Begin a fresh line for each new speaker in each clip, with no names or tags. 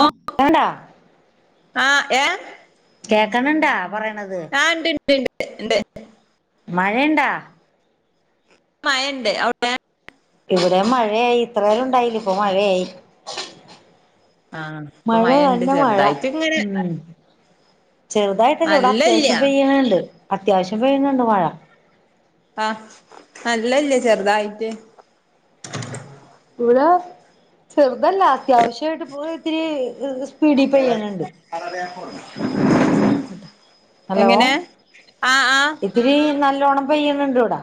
ആ [unintelligible] ണ്ടാ
ആഹ് ഏ
കേക്ക്ണ് ണ്ടാ? പറ്യണത്
ണ്ട് ഇണ്ട്
മഴയണ്ടാ
മയണ്ട് ഔടെ
ഇവിടെ മഴയായി ഇത്രേരം ഉണ്ടായില്ല ഇപ്പോ മഴെയി
ആഹ് ഇപ്പൊ മയ ഇണ്ട് ചെറുതായിട്ട് ഇങ്ങനെ
ഉം ചെറുതായിട്ടല്ലേ ഇവിടെ
നല്ലല്ല
അത്യാവശ്യം പെയ്യ്ണ് ണ്ട് അത്യാവശ്യം പെയ്യ്ണ് ണ്ട് മഴ
ആഹ് നല്ലല്ല ചെറുതായിട്ട്
ഉട ചെറ് ഇതല്ല അത്യാവശ്യാട്ട് ഇത്തിരി സ്പീടി പെയ്യ് ണ് ണ്ട് ഹലോ
എങ്ങനെ ആഹ് ആഹ്
ഇത്തിരി നല്ല ഓണം പെയ്യ് ണ് ണ്ട് ഇവടെ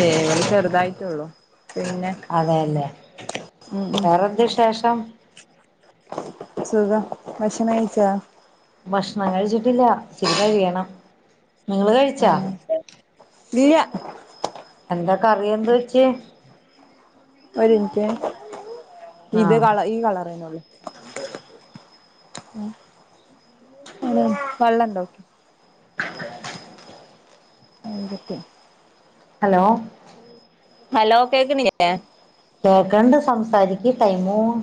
ഏ ഇവിടെ ചെറുതായിട്ടൊള്ളു
അതെയല്ലേ
ഉം ഉം
വേറെന്ത് വിശേഷം
സുഖം ഭക്ഷണം കഴിച്ചോ
ഭക്ഷണം കഴിച്ചിട്ടില്ല ഇച്ചിരി കഴിയണം നിങ്ങള് കഴിച്ചാ
ആഹ് ഇല്ല്യ
എന്താ കറി എന്താ വെച്ചേ
ഒര് മിൻറ്റെ ഇത്
ആഹ്
കള ഈ കളറ് തന്നെയേ ഉള്ളു വെള്ളം ഉണ്ടോ [unintelligible] [unintelligible]
ഹലോ
ഹലോ കേക്കിണില്ലേ
കേക്കണുണ്ട് സംസാരിക്ക് ടൈമു പോവും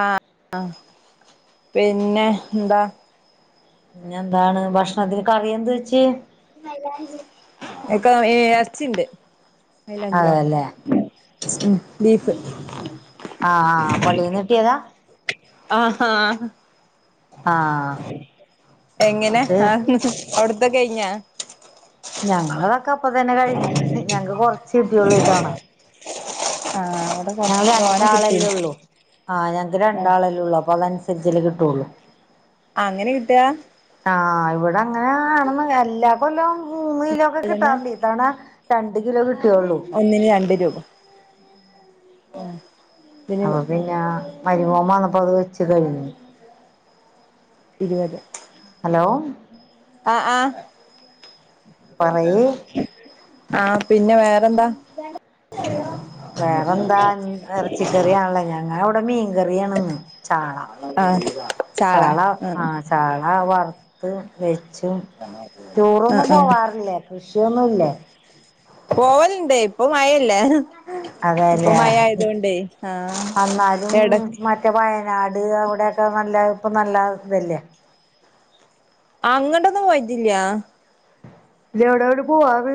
ആഹ് പിന്നെ എന്താ
പിന്നെ എന്താണ് ഭക്ഷണത്തിന് കറിയെന്ത് വെച്ച്
എക്ക എറച്ചി ഉണ്ട്
അതെല്ലേ
[unintelligible] ഉം ബീഫ്
ആഹ് ആഹ് പള്ളീന്ന് കിട്ടിയതാ
ആഹ് ആഹാ
ആഹ്
എങ്ങനെ
എന്നിട്ട്
ആഹ് അവി അവിടുത്തെ കഴിഞ്ഞോ
ഞങ്ങള് ക്കപ്പത്തന്നെ കഴിഞ് ഞങ്ങക്ക് കൊറച്ച് കിട്ടിയൊള്ളു ഇത്തവണ
ആഹ് അവിടെ കൊറച്ച്
ഞങ്ങള്
തോനെ
രണ്ടാളല്ലേ
കിട്ടീന്
ഉള്ളൂ ആഹ് ഞങ്ങക്ക്
ആഹ്
രണ്ടാളല്ലേ ഉള്ളു അപ്പൊ അതനുസരിച്ചല്ലെ കിട്ടൊള്ളു
അങ്ങനെ കിട്ടാ
ആഹ് ഇവിടെ അങ്ങനാണെന്ന് അല്ല [unintelligible] മൂന്ന് കിലോ ഒക്കെ
അല്ലെന്ന
കിട്ടാറുണ്ട് ഇ തവണ രണ്ട കിലോ കിട്ടിയൊള്ളൂ
ഉം
അപ്പൊ പിന്നാ മരിമോൻ വന്നപ്പം അത് വെച്ച് കഴിഞ്ഞു
ഇരുപത്
ഹലോ
ആ ആ
പറയ്
ആഹ് പിന്നെ വേറെന്താ
വേറെന്താ ഇഞ് ഇറച്ചിക്കറിയണല്ലേ ഞങ്ങ ഇവിടെ മീൻകറിയാണിന്ന് ചാള
ആഹ്
ചാള ആ ചാള വർ [unintelligible] ചൂ
ആഹ്
ടൂറൊന്നും
ആഹ്
പോവാറില്ലേ കൃഷിയൊന്നു ഇല്ലേ
പോവലിണ്ട് ഇപ്പൊ മഴല്ലേ ഇപ്പൊ
അതെല്ലേ
മഴ ആയതൊണ്ടേ ആഹ്
എന്നാലും
എട
മറ്റേ വയന നാട് അവിടെക്കെ നല്ല ഇപ്പ നല്ല ഇതല്ലേ
അങ്ങട്ടൊന്നും വൈറ്റില്ല
ഇല്ല എവിടെ എവിടെ പോവാറ്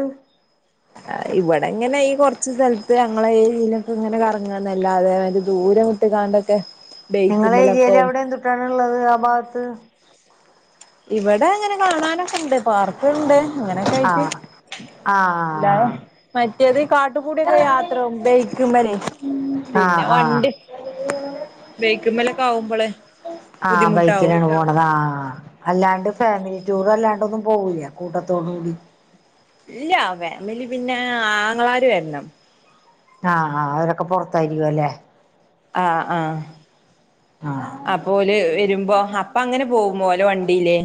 ഇവിടെ ഇങ്ങനെ ഈ കൊറച്ച സ്ഥലത്ത് ഞങ്ങളെ തിലക്കെ ഇങ്ങനെ കറങ്ങന്നല്ലാതെ ദൂരം വിട്ടിക്കാണ്ടൊക്കെ
നിങ്ങള ഏരിയില് അവിടെ എന്തുട്ടാണിള്ളത് ആ ഭാഗത്ത്
ഇവിടെ അങ്ങനെ കാണാനൊക്കെ എണ്ട് പാർക്ക് എണ്ട് അങ്ങനൊക്കെ
ആ
കഴട്ട്
ആ
എല്ലാ പ [unintelligible] കാട്ടുകൂടിയൊക്കെ യാത്രവും ബെയക്ക്മല്
ആ
പിന്നെ
ആ
വണ്ട് ബെയക്കുമ്മലൊക്കെ ആകുമ്പോളെ
ആഹ്
ബുദ്ധിമുട്ടാവും
ബൈക്കിലാണ് പോണത് ആഹ് അല്ലാണ്ട് ഫാമിലി ടൂർ അല്ലാണ്ടൊന്നും പോവൂല്ല കൂട്ടത്തോട് കൂടി
ഇല്ല ഫാമിലി പിന്നെ ആങ്ങളാര് വരണം
ആ ആ അവരൊക്കെ പൊറത്തായിരിക്കും അല്ലേ
ആ ആ
ആഹ്
ആ പോല് വരുമ്പോ അപ്പൊ അങ്ങനെ പോകുമ്പോല്ലോ വണ്ടിയിലേ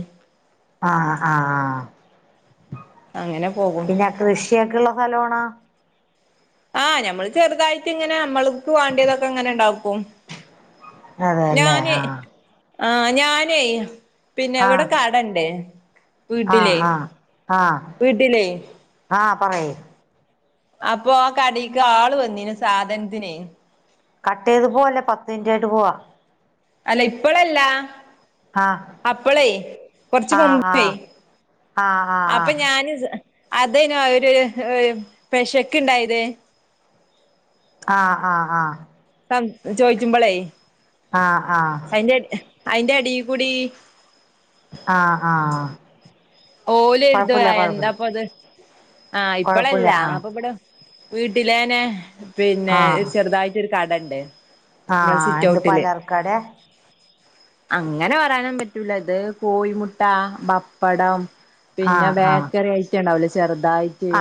ആ ആ
അങ്ങനെ പോകും
പിന്നെ കൃഷിയൊക്കെയിള്ള ഫലോണ
ആഹ് ഞമ്മള് ചെറുതായിട്ട് ഇങ്ങനെ മ്മൾക്ക് വേണ്ടിയതൊക്കെ ഇങ്ങനെ ഇണ്ടാക്കും
അതെല്ലേ ആഹ്
ആ ഞാനേ പിന്നെ ഇവിടെ
ആഹ്
കടണ്ടേ വീട്ടിലേ
ആഹ് ആഹ് ആഹ്
വീട്ടിലേ
ആഹ് പറയ്
അപ്പൊ ആ കടക്ക് ആള് വന്നീന് സാധനത്തിനെ
കട്ട് ചെയ്ത് പോവല്ലേ പത്ത് ൻറ്റ് കയ്ട്ട് പോവാ
അല്ല ഇപ്പളല്ലാ
ആഹ്
അപ്പളേ കുറച്ച്
ആഹ്
മുമ്പേ
ആഹ് ആഹ്
അപ്പൊ ഞാന് അതനോ അവര് പെശക്ക് ഇണ്ടായത്
ആ ആ ആ
പങ് ചോയ്ചുമ്പളെ
ആ ആ
ഐന്റെ അടീകുടി
ആഹ് ആഹ്
ഓലെര്തും
കൊഴപ്പില്ല കൊഴപ്പില്ല
എന്താപ്പത് ആഹ്
കൊഴപ്പില്ല
ഇപ്പളല്ലാ
ആഹ്
അപ്പബടെ വീട്ടിലേനെ പിന്നെ
ആഹ്
ചെറുതായിറ്റൊര് കടണ്ട് ബടെ
ആഹ് എന്ത്
സിറ്റ്ഔട്ടില്
പാലർക്കാടെ
അങ്ങനെ പറയാനൊന്നും പ പറ്റൂലത് കോയിമുട്ട, ബപ്പടം പിന്നെ
ആഹ് ആഹ്
ബേക്കറി ഐറ്റണ്ടാവൂലെ ചെർ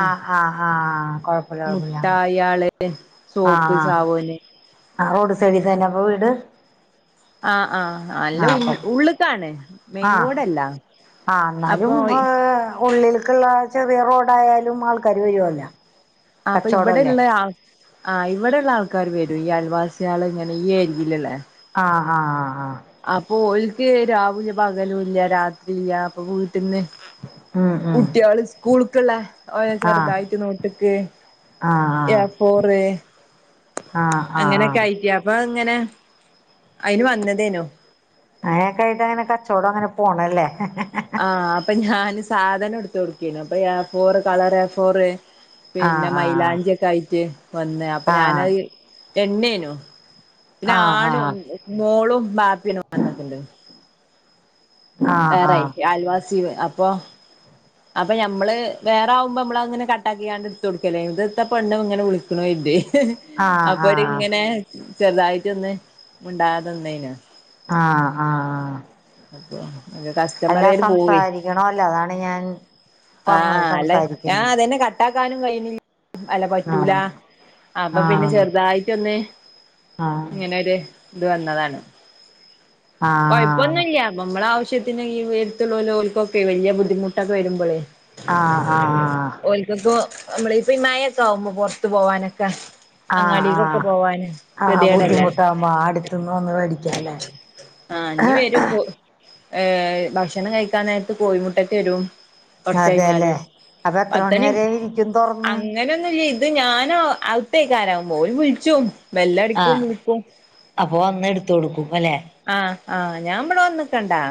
ആഹ് ആഹ് ആഹ് കൊഴപ്പല്ല കൊഴപ്പല്ല
മുട്ടായാള് സോപ്പ് സാവോന്
ആ റോഡ് സൈഡ് തന്നെ അപ്പൊ വീട്
ആഹ ആഹ് അല്ല
ആഹ് അപ്പൊ
ഉള്ള് ഉള്ള്ക്കാണ് മെയിൻ
ആഹ്
റോഡല്ല അപ്പൊ ഇ
ഉള്ളില്ക്ക്ള്ള ചെറിയ റോഡായാലും ആൾക്കാര് വരോല്ല
ആ അപ്പ ഇവടെള്ള ആൾ ആഹ് ഇവടെ ഉള്ള ആൾക്കാര് വരും ഈ അൽവാസികള് ഇങ്ങനെ ഈ ഏരിയീല്ള്ളേ
ആഹ് ആഹ് ആ
അപ്പൊ ഓല്ക്ക് രാ വൂല പകലൂല്ല രാത്രീല്ല അപ്പൊ വീട്ട്ന്ന്
ഉം ഉം
കുട്ട്യാള് സ്‌കൂൾ ക്ക്ള്ള ഓര
ആഹ്
ചെറുതായിറ്റ് നോട്ട്ക്ക്
ആഹ്
എ ഫോറ്
ആഹ് ആഹ് ആഹ് ആഹ്
അങ്ങനെക്കെ ആയിറ്റ് അപ്പൊ അങ്ങനെ ഐന് വന്നതേനു
അങ്ങനെക്കായിട്ട് അങ്ങനെ കച്ചോടം അങ്ങനെ പോണല്ലേ
ആഹ് അപ്പ ഞാന് സാധനം എട് ത്ത്കൊട്ക്കേന്നു അപ്പ A four colour A four പിന്നെ
ആഹ്
മൈലാഞ്ചിക്കെ ആയിട്ട് വന്ന് അപ്പ
ആഹ്
ഞാനത് എണ്ണേനു ല്ല
ആഹ്
ആണും
ആഹ്
മോളും ബ പിന്നെ വന്നക്കണ്ട്
ആഹ് ആഹ്
ഷാറായി
ആഹ്
അയൽവാസ് [unintelligible] അപ്പൊ അപ്പം നമ്മള് വേറെ ആവുമ്പം നമ്മളങ്ങനെ കട്ടാക്കിങ്ങാണ്ട് ഇട്ത്ത്കൊടുക്കല്ലേ ഇത് ഇത്തെ പെണ്ണു ഇങ്ങനെ വിളിക്കണ കരുതി
ആഹ് ആഹ് ആഹ്
അപ്പോരിങ്ങനെ ചെറുതായിട്ട് ഒന്ന് മിണ്ടാതെ നിന്നേനു.
ആഹ് ആഹ്
അപ്പോ
എല്ലാം സംസാരിക്കണവല്ലോ അതാണ് ഞാൻ പറഞ്ഞത്
ആഹ് അല്ല ഞാൻ
സംസാരിക്കുന്നു
അതന്നെ കട്ടാ ക്കാനും കയ്യുന്നി അല്ല
ആഹ്
പറ്റൂലാ അപ്പോ പിന്നെ
ആഹ്
ചെറുതായിട്ടൊന്ന്
ആഹ്
ഇങ്ങനൊരു ഇത് വന്നതാണ്.
ആഹ്
കൊഴപ്പൊന്നൂല്ലാ ബ നമ്മളാവ ശ്യത്തിന് [unintelligible] ഓലുക്കൊക്കെ വലിയ ബുദ്ധിമുട്ടൊക്കെ വരുമ്പോളേ
ആഹ് ആഹ് ആഹ്
നമ്മളിപ്പോ ഈ മഴയൊക്കെ ആകുമ്പോ പുറത്തു പോകാനൊക്കെ
ആഹ് ആഹ് ആഹ്
ഗതികേടല്ലേ
ബുദ്ധിമുട്ടാകുമ്പോ അടുത്തുന്ന് വന്ന് മേടിക്കാലേ?
ആഹ് ഇനി വരും ഇപ്പോ. ഏഹ് ഭക്ഷണം കഴിക്കാൻ നേരത്ത് കോഴിമുട്ടക്ക് വരും. കൊറച്ച്
അതെല്ലേ
കഴിഞ്ഞാല്
അപ്പോ എത്ര മണി
പത്തണി
വരെ ഇരിക്കും തൊറന്ന്?
അത് ഞാനും അവിത്തേക്കാരാവുമ്പോ ഓര് വിളിച്ചും മെല്ല അടിക്കും വിളിക്കും.
ത്തൊട് ക്കും അല്ലെ?
ആഹ് ആഹ് ഞാൻ ഇബെടെ വന്ന്ക്കെണ്ടാ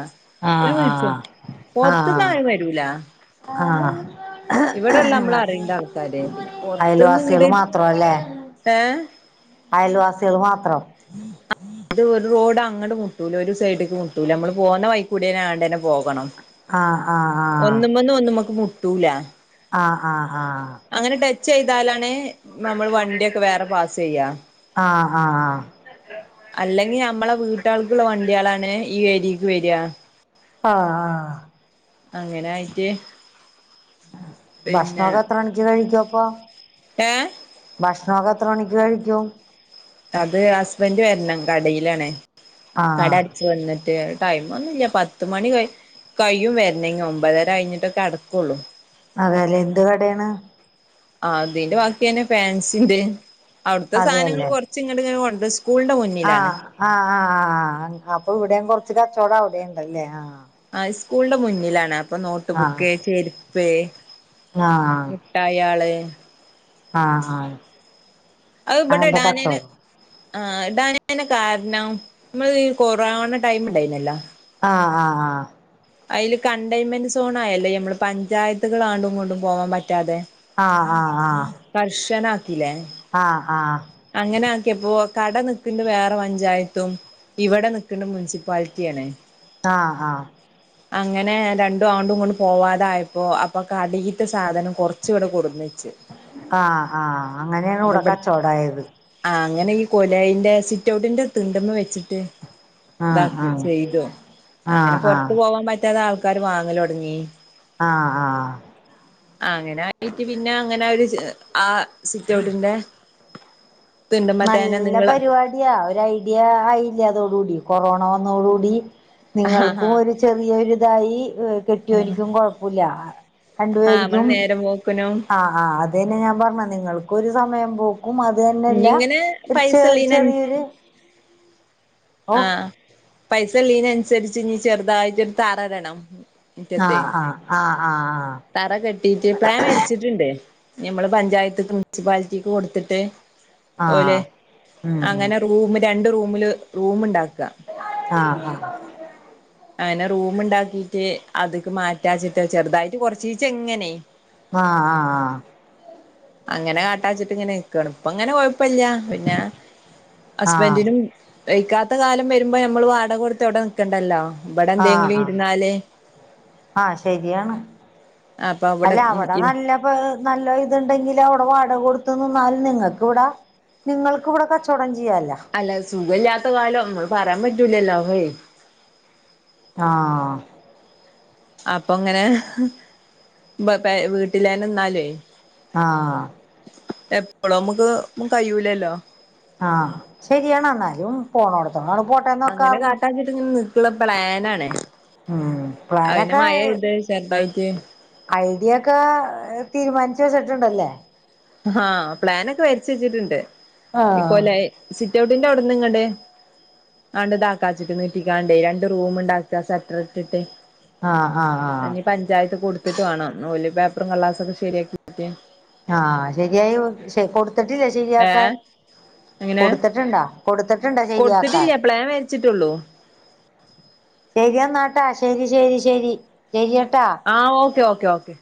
ആഹ് ആഹ് ആഹ്
ആരും
ആഹ്
ഇവിടെ ഇള്ള അമ്മൾ അറിയ്ണ്ട ആൾക്കാര് പിന്നെ പൊർത്ത്ന്ന്
അയൽവാസികൾ
ഇങ്ങെട്ട് ഏ
അയെൽ വാസിയെൾ മാത്രം
ഇത് ഒര് റോഡ് അങ്ങെട്ട് മുട്ടുലാ ഒര് സൈഡ്ക്ക് മുട്ടുലാ അമ്മെള് പോന്ന വൈക്കുടെന്നെ ആണ്ടെന്നെ പോകണം
ആഹ് ആഹ് ആഹ്
ഒന്ന്മെന്ന് ഒന്ന്മെക്ക് മു ട്ടുലാ
ആഹ് ആഹ് ആഹ്
അങ്ങനെ ടെച്ച് ചെയ്താലാണ് നമ്മെൾ വണ്ടിയൊക്കെ വേറെ പാസ് ചെയ്യാ
ആഹ് ആഹ്
അല്ലെങ്കി നമ്മളെ വീട്ടാൾക്കുള്ള വണ്ടികളാണ് ഈ പെരിക്ക് വെരാ
ആഹ് ആഹ്
അങ്ങനെയിട്ട്
ഭക്ഷണമൊക്കെ എത്ര മണിക്ക് കഴിക്കും അപ്പം
ഏ
ഭക്ഷ് [unintelligible] എത്ര മണിക്ക് കഴിക്കും
അത് ഹസ്ബന്റ് വരണം കടയിലാണേ കട
ആഹ്
അടച്ച് വന്നിട്ട് ടൈം ഒന്നുമില്ല പത്തു കഴി മണി കഴിയും വരുന്നെ ഒമ്പതര കഴിഞ്ഞിട്ടൊക്കെ അടക്കുള്ളൂ
അതല്ലേ എന്ത് കടയാണ്
ആ അതിന്റെ ബാക്കിന്നെ പാൻസിന്റെ അവിടുത്തെ സാധനങ്ങൾ
അതെല്ലേ
കൊറച്ചു ഇങ്ങട് ഇങ്ങനെ കൊൻ സ്കൂളിന്റെ മുന്നിലാണ്
ആഹ് ആഹ് ആഹ് അപ്പൊ ഇവിടെയും കൊറച്ച് കച്ചവടം അവിടെണ്ടല്ലേ ആഹ്
അ സ്കൂളിന്റെ മുന്നിലാണ് അപ്പ് അപ്പൊ നോട്ട്
ആഹ്
ബുക്ക് ചെരു പേ
ആഹ്
മുട്ടയാള്
ആഹ് ആഹ്
അത് ഇവിടെ
അങ്ങനത്തെ
ഇടാന് ന്
കച്ചവടം
ആഹ് ഡാനിന് കാരണം നമ്മള് കൊറൊണ ടൈം ഉണ്ടായിന്നല്ലോ
ആഹ് ആഹ് ആഹ്
അതില് കണ്ടെയൻമെന്റ് സോണയല്ലേ നമ്മള് പഞ്ചായത്തുകളൾ അങ്ങടും ഇങ്ങടും പോവാൻ പറ്റാതെ
ആഹ് ആഹ് ആഹ്
കർശന ക്കീലേ
ആഹ് ആഹ്
അങ്ങനെ ആക്കിയപ്പോ കട നിക്ക്ണ്ട് വേറെ പഞ്ചായത്തും ഇവിടെ നിക്ക്ണ്ട് മുൻസിപ്പാലിറ്റിയണേ
ആഹ് ആഹ്
അങ്ങനെ രണ്ടും അങ്ങടും ഇങ്ങടും പോവാതായപ്പോ അപ്പൊ കടേത്ത സാധനം കുറച്ചു ഇവിടെ കൊടുന്നച്ച്
ആഹ് ആഹ് അങ്ങനെയാണ് ഇവിടെ കച്ചവടായത്
ആ അങ്ങനെ ഈ കൊലയിന്റെ സിറ്റ് ഔട്ടിന്റെ തിണ്ടന്ന് വെച്ചിട്ട്
ആഹ്
ഇതാക്കി
ആഹ്
ചെയ്തു അങ്ങനെ
ആഹ് ആഹ്
പുറത്തു പോവാൻ പറ്റാതെ ആൾക്കാ ക്കാര് വാങ്ങല് തുടങ്ങി
ആഹ് ആഹ്
അങ്ങനെ ആയിട്ട് പിന്നെ അങ്ങനെ ഒരു ചെ ആ സിറ്റോട്ടിന്റെ
നല്ല പരിപാടിയാ ഒരു ഐഡിയ ആയില്ലേ അതോട് കൂടി കൊറോണ വന്നോടുകൂടി
ആ ആ
നിങ്ങൾക്കും ഒരു ചെറിയൊരിതായി കെട്ടിയോനിക്കും കൊഴപ്പമില്ല
ആ നമ്മള്
രണ്ടുപേരിക്കും
നേരം പോക്കിനും
ആ ആ അത് തന്നെ ഞാൻ പറഞ്ഞ നിങ്ങൾക്കും ഒരു സമയം ക്കും അത് തന്നെയല്ല
ഇഞ്ഞിങ്ങനെ
ഒരു ചെ
പൈസള്ളീന
ചെറിയൊരു ഓ
ആഹ് പൈസല്ലീനനുസരിച്ച് ഇ ചെറുതായിട്ട് ഒരു തറടണം മുറ്റത്തേ
ആഹ് ആഹ് ആഹ്
തറ കെട്ടിട്ട് പാ വേടിച്ചിട്ടുണ്ട് നമ്മള് പഞ്ചായതിക്ക് മുൻസിപ്പാലിറ്റിക്ക് കൊടുത്തിട്ട്
ആഹ്
ഓലെ
ആഹ് ഉം ഉം
അങ്ങനെ റൂമ് രണ്ട് റൂമില് റൂമുണ്ടാക്കി
ആഹ് ആ [unintelligible]
അങ്ങനെ റൂമ് ഉണ്ടാക്കിട്ട് അത്ക്ക് മാറ്റാച്ചിട്ടാ ചെറുതായിട്ട് കൊറച് ചീങ്ങനെ
ആഹ് ആഹ് ആഹ്
അങ്ങനെ കാട്ടാച്ചിട്ട് ഇങ്ങനെ നിക്കാണ് ഇപ്പ അങ്ങനെ കൊ കുഴപ്പല്ല പിന്നെ
ആഹ് ആഹ്
ഹസ്ബൻഡിനും കഴിക്കാത്ത കാലം വരുമ്പോ നമ്മൾ വാടക കൊടുത്ത് എവിടെ നിൽക്കണ്ടല്ലോ
ആഹ് ആ ആഹ് ശരിയാണ്
അപ്പൊ
അല്ല
ഉം
അവിടെ
ഇ
നല്ല നല്ല ഇത്ണ്ട് ഉണ്ടെങ്കിൽ അവിടെ വാടക കൊടുത്ത് നിന്നാൽ നിങ്ങൾക്ക് വിടെ നിങ്ങൾക്ക് ഇവിടെ കച്ചടം ചെ
അല്ല സുഖ ഇല്ലാത്ത കാലം നമ്മ പറയാൻ പറ്റൂലല്ലോ [unintelligible]
ആ [unintelligible]
അപ്പൊ അങ്ങനെ ബ പ വീട്ടിലന്നെ നിന്നാലേ
ആഹ്
എപ്പോഴോ നമ്മുക്ക് കഴിയൂലല്ലോ
ആഹ് ശരിയാണ് എന്നാലും പോണോടു
അങ്ങനെ കാട്ടാ ചിട്ട് ഇങ്ങനെ നിക്കുള്ള പ്ലാനാണേ
ഉം
അവന്റെ
പ്ലാനൊക്കെ
മഴ ഇത് ചെറുതായിട്ട് [unintelligible] ദായി
ഇയൊക്കെ തീരുമാനിച്ചു വെച്ചിട്ടുണ്ടല്ലേ
ആഹ് പ്ലാനൊക്കെ വരിച് വെച്ചിട്ടുണ്ട്
ആഹ
ഇക്കോല സിറ്റ്ഔട്ട് തിന്റെ അവിടന്ന് ഇങ്ങട് അണ്താക്കാച്ചിട്ട് നട്ടിക്കാണ്ടേ രണ്ട് റൂം ഉണ്ടാക്ക ഷട്ടർ ഇട്ടിട്ട്
ആഹ് ആഹ് ആഹ്
ഇനി പഞ്ചായത്ത് കൊടുത്തിട്ട് വേണം നൂല് അപ്പറം കള്ളാസൊക്കെ ശരിയാക്കിയിട്ട
ആഹ ശെരിയായി കൊടു കൊടുത്തിട്ടില്ല ശരിയാക്കാ
ഏഹ്
കൊടുത്തിട്ടുണ്ടോ
കൊട്ത്തിട്ടില്ല പ്ലേൻ വെര്ച്ച്ട്ടൊള്ളു
ശരിയ എന്നെന്നാട്ടാ ശരി ശരി ശരി ശരിയട്ടെ
ആഹ് ഓക്കെ ഓക്കെ ഓക്കെ